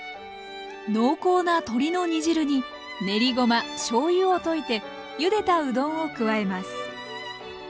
濃厚な鶏の煮汁に練りごましょうゆを溶いてゆでたうどんを加えます。